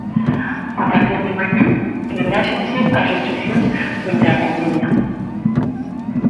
A partir de mañá reláxanse as restricións fronte á pandemia.